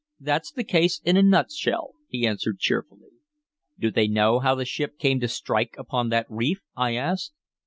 "That 's the case in a nutshell," he answered cheerfully. "Do they know how the ship came to strike upon that reef?" I asked.